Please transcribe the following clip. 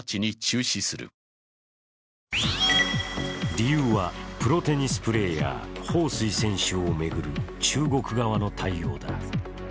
理由はプロテニスプレーヤー、彭帥選手を巡る中国側の対応だ。